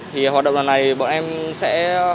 thì hoạt động lần này bọn em sẽ